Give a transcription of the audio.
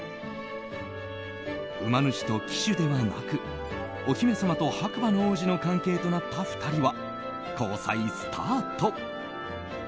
馬主と騎手ではなくお姫様と白馬の王子の関係となった２人は交際スタート。